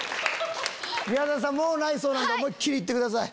宮沢さんもうないそうなんで思いっ切り行ってください。